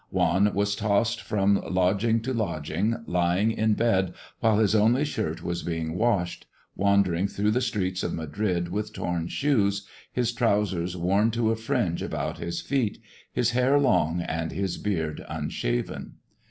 Juan was tossed about from lodging to lodging, lying in bed while his only shirt was being washed, wandering through the streets of Madrid with torn shoes, his trousers worn to a fringe about his feet, his hair long, and his beard unshaven.